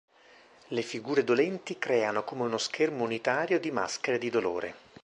Le figure dolenti creano come uno schermo unitario di maschere di dolore.